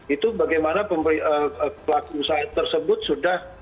itu bagaimana pelaku usaha tersebut sudah